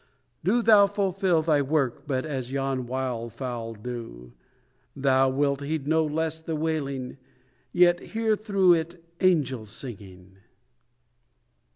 Do thou fulfil thy work but as yon wild fowl do, Thou wilt heed no less the wailing, yet hear through it angels singing.'